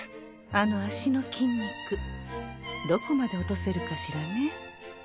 あの脚の筋肉どこまで落とせるかしらね。